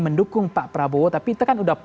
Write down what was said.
mendukung pak prabowo tapi itu kan udah